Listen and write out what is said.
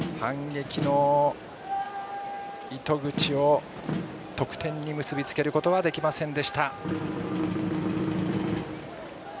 反撃の糸口を得点に結び付けることはできませんでした。